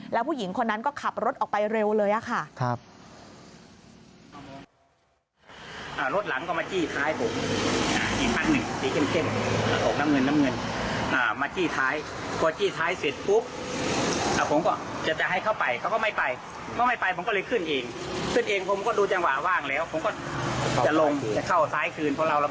แล้วผู้หญิงคนนั้นก็ขับรถออกไปเร็วเลยค่ะ